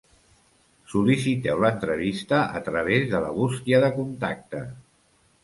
Sol·liciteu l'entrevista a través de la Bústia de contacte.